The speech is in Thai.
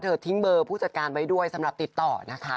ทิ้งเบอร์ผู้จัดการไว้ด้วยสำหรับติดต่อนะคะ